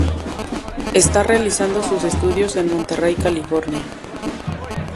Está realizando sus estudios en Monterey, California.